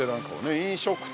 飲食店。